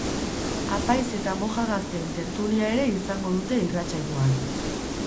Apaiz eta moja gazteen tertulia ere izango dute irratsaioan.